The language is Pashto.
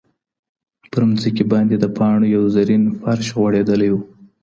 پر مځکي باندې د پاڼو یو زرین فرش غوړېدلی و.